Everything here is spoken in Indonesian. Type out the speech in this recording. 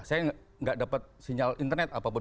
saya nggak dapat sinyal internet apapun